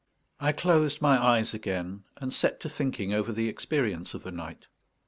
I closed my eyes again, and set to thinking over the experience of the night.